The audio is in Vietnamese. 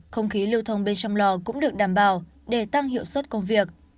không khí lưu thông bên trong lò cũng được đảm bảo để tăng hiệu suất công việc